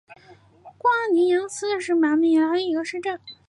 瓜尼扬伊斯是巴西米纳斯吉拉斯州的一个市镇。